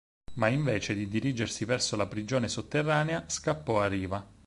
Ma invece di dirigersi verso la prigione sotterranea, scappò a riva.